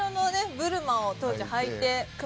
ブルマを当時はいてく